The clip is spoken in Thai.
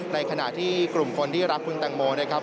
ในขณะที่กลุ่มคนที่รักคุณแตงโมนะครับ